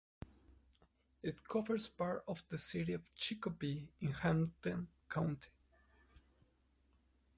It covers part of the city of Chicopee in Hampden County.